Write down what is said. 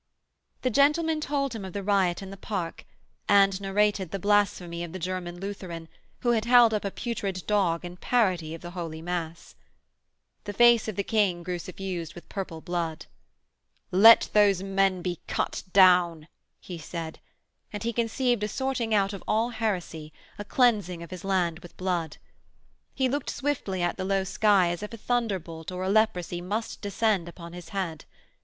The gentleman told him of the riot in the park, and narrated the blasphemy of the German Lutheran, who had held up a putrid dog in parody of the Holy Mass. The face of the King grew suffused with purple blood. 'Let those men be cut down,' he said, and he conceived a sorting out of all heresy, a cleansing of his land with blood. He looked swiftly at the low sky as if a thunderbolt or a leprosy must descend upon his head.